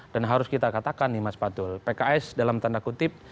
dan harus kita katakan nih mas patul pks dalam tanda kutip